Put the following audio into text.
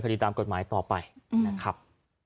ไม่น่าจะเกิดพ่อแท้